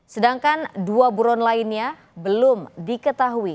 sedangkan dua buron lainnya belum diketahui